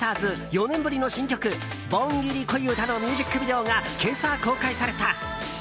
４年ぶりの新曲「盆ギリ恋歌」のミュージックビデオが今朝、公開された。